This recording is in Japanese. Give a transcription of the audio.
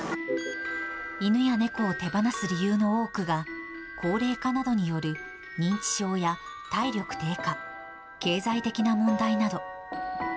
犬や猫を手放す理由の多くが、高齢化などによる認知症や体力低下、経済的な問題など。